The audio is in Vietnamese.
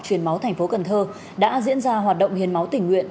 truyền máu thành phố cần thơ đã diễn ra hoạt động hiền máu tỉnh nguyện